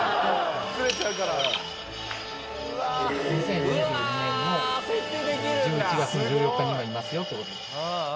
２０２２年の１１月１４日に今いますよって事。